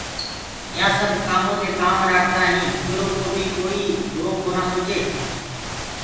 يهآنٚ سب ڪآمودي ڪآم رآکدآئينٚ ڪرو ڪو بيٚ ڪوئيٚ برو ڪونآ سوچي